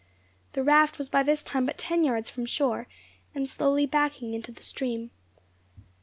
The raft was by this time but ten yards from shore, and slowly "backing" into the stream.